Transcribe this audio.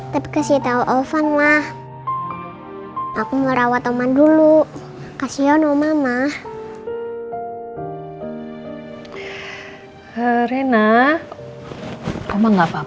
tapi kasih tau ovan ma